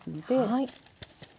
はい。